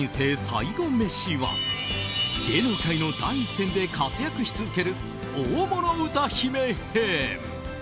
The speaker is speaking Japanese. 最後メシは芸能界の第一線で活躍し続ける大物歌姫編。